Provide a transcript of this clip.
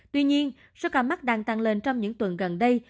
tuy nhiên sokarmak đang tăng lên trong những tuần gần đây